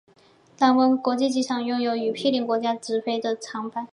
琅勃拉邦国际机场拥有与毗邻国家的直飞航班。